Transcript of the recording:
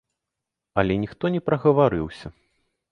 Але ніхто не прагаварыўся.